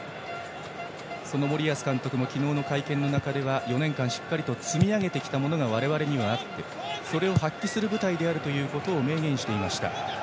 森保監督も昨日の会見の中では４年間しっかり積み上げてきたものがあってそれを発揮する舞台であるということを明言していました。